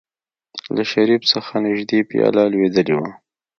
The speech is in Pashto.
له شريف څخه نژدې پياله لوېدلې وه.